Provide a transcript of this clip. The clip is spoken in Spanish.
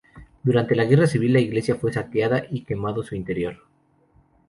Durante la Guerra Civil la iglesia fue saqueada y quemado su interior.